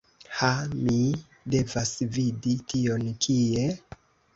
Ha mi devas vidi tion, kie?